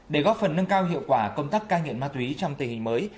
để góp phần nâng cao hiệu quả công tác cai nghiện ma túy trong tình hình mới